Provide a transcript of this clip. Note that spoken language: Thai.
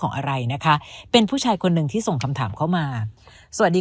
อะไรนะคะเป็นผู้ชายคนหนึ่งที่ส่งคำถามเข้ามาสวัสดี